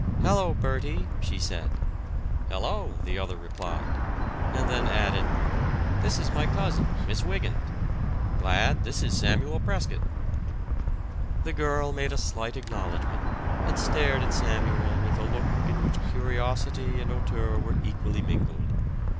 "Hello, Bertie!" she said. "Hello!" the other replied, and then added. "This is my cousin, Miss Wygant. Glad, this is Samuel Prescott." The girl made a slight acknowledgment, and stared at Samuel with a look in which curiosity and hauteur were equally mingled.